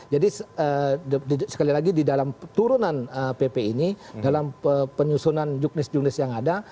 jadi sekali lagi di dalam turunan pp ini dalam penyusunan yuknis yuknis yang ada